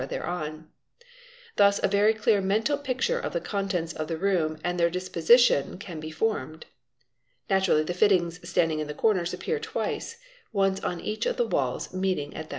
thereon. Thus a very clear mental picture of the contents of the room and their disposition can be formed. Naturally the fittings standing in the corners appear twice, once on each of the walls meeting at bi point.